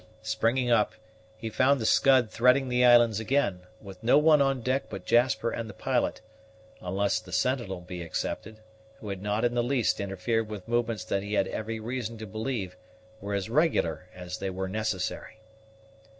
Springing up, he found the Scud threading the islands again, with no one on deck but Jasper and the pilot, unless the sentinel be excepted, who had not in the least interfered with movements that he had every reason to believe were as regular as they were necessary.